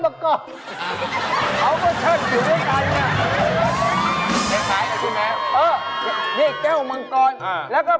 เบิร์ดก็มีแต่แก้วละกอด